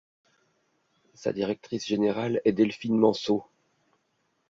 Sa Directrice Générale est Delphine Manceau.